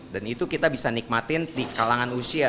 dan itu kita bisa nikmatin di kalangan usia